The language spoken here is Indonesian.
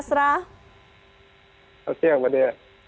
selamat siang mbak dea